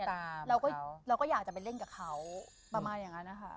เราก็เราก็อยากจะไปเล่นกับเขาประมาณอย่างนั้นนะคะ